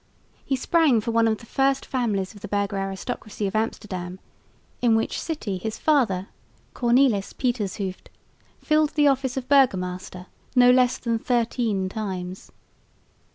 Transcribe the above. He sprang from one of the first families of the burgher aristocracy of Amsterdam, in which city his father, Cornelis Pietersz Hooft, filled the office of burgomaster no less than thirteen times.